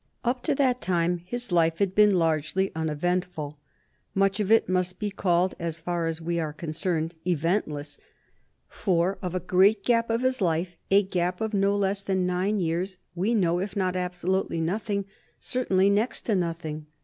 Up to that time his life had been largely uneventful; much of it must be called as far as we are concerned eventless, for of a great gap of his life, a gap of no less than nine years, we know, if not absolutely nothing, certainly next to nothing.